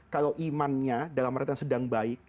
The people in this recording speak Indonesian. kalau imannya dalam artian sedang baik